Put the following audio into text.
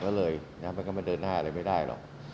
มันก็ไม่เคยนานอะไรไม่ได้หรอก